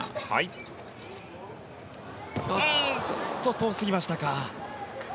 遠すぎましたか。